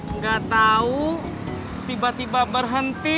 nggak tahu tiba tiba berhenti